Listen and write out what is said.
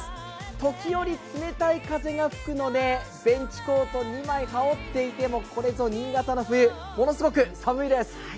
時折冷たい風が吹くのでベンチコートを２枚羽織っていてもこれぞ新潟の冬、ものすごく寒いです。